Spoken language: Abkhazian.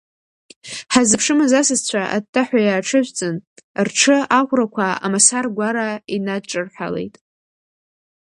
Ҳаззыԥшымыз асасцәа, аттаҳәа иааҽыжәҵын, рҽы аӷәрақәа амасар гәара инадҿарҳәалеит.